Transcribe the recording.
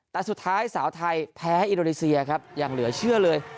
แต่สุดท้ายสาวไทยแพ้อินโดนีเซียครับอย่างเหลือเชื่อเลย